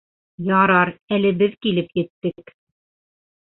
Ярар әле беҙ килеп еттек.